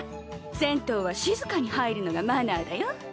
銭湯は静かに入るのがマナーだよ。